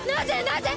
なぜ？